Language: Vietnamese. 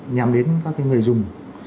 nhằm đến các người dùng